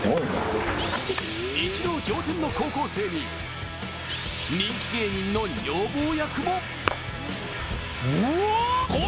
イチロー仰天の高校生に人気芸人の女房役も。